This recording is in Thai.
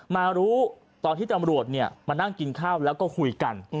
มารู้ตอนที่ตำรวจมานั่งกินข้าวแล้วก็คุยกัน